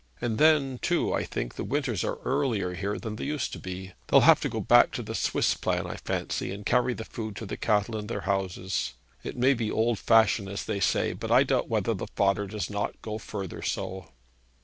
And then, too, I think the winters are earlier here than they used to be. They'll have to go back to the Swiss plan, I fancy, and carry the food to the cattle in their houses. It may be old fashioned, as they say; but I doubt whether the fodder does not go farther so.'